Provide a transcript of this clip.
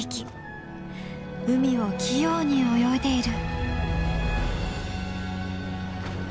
海を器用に泳いでいる。